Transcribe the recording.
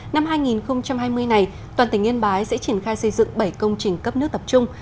năm hai nghìn hai mươi này toàn tỉnh yên bái sẽ triển khai xây dựng bảy công trình cấp nước tập trung